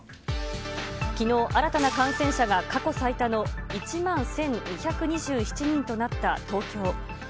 きのう、新たな感染者が過去最多の１万１２２７人となった東京。